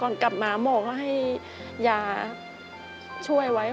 ก่อนกลับมาหมอก็ให้ยาช่วยไว้